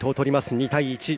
２対１。